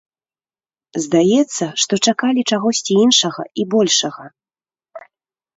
Здаецца, што чакалі чагосьці іншага і большага.